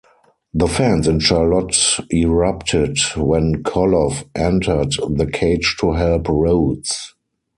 The fans in Charlotte erupted when Koloff entered the cage to help Rhodes.